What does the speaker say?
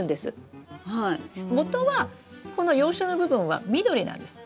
もとはこの葉鞘の部分は緑なんです。